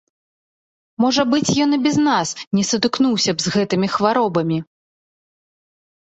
Можа быць, ён і без нас не сутыкнуўся б з гэтымі хваробамі.